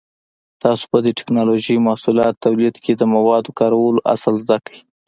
تاسو به د ټېکنالوجۍ محصولاتو تولید کې د موادو کارولو اصول زده کړئ.